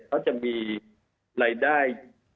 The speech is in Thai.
เขาจะมีรายได้